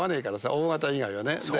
Ｏ型以外はね。